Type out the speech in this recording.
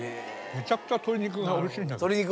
めちゃくちゃ鶏肉がおいしいんだけど。